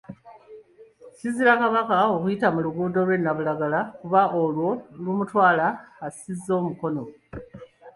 Kizira Kabaka okuyita mu luguudo lwe Nabulagala kuba olwo lumutwala akisizza omukono.